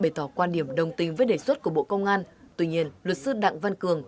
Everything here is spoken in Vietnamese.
bày tỏ quan điểm đồng tình với đề xuất của bộ công an tuy nhiên luật sư đặng văn cường